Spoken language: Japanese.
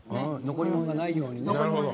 残り物がないように。